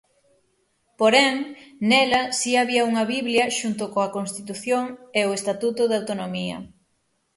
Porén, nela si había unha biblia xunto coa Constitución e o Estatuto de Autonomía.